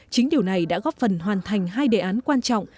chính điều này đã góp phần hoàn thành hai đề án quan trọng